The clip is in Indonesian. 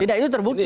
tidak itu terbukti